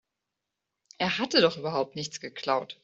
Er hatte doch überhaupt nichts geklaut.